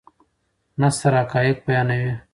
نثر حقایق بیانوي.